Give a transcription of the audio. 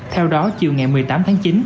theo đó chiều ngày một mươi tám tháng chín